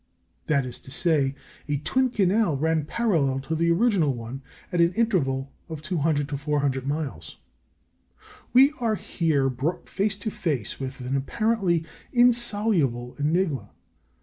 That is to say, a twin canal ran parallel to the original one at an interval of 200 to 400 miles. We are here brought face to face with an apparently insoluble enigma.